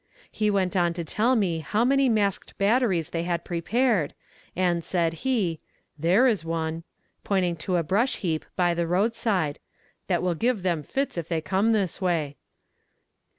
He went on to tell me how many masked batteries they had prepared, and said he, "There is one," pointing to a brush heap by the roadside, "that will give them fits if they come this way."